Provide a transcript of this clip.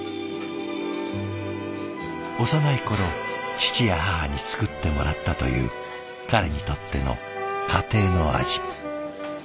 幼い頃父や母に作ってもらったという彼にとっての家庭の味。